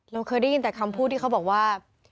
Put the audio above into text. เราเคยได้ยินแต่คำพูดที่เขาบอกว่า